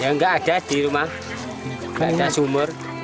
ya nggak ada di rumah nggak ada sumur